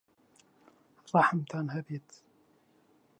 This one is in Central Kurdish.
ڕەحمتان هەبێت!